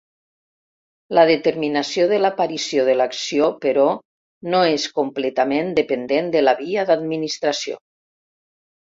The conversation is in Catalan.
La determinació de l'aparició de l'acció, però, no és completament dependent de la via d'administració.